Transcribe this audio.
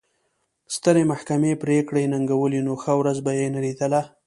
سترې محکمې پرېکړې ننګولې نو ښه ورځ به یې نه لیدله.